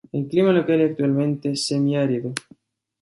El clima local es actualmente semiárido.